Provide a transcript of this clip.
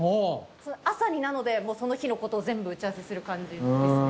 朝になのでその日のことを全部打ち合わせする感じですね。